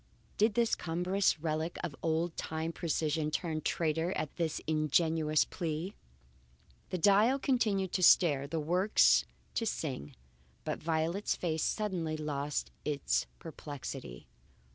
Did this cumbrous relic of old time precision turn traitor at this ingenuous plea? The dial continued to stare, the works to sing, but Violet's face suddenly lost its perplexity.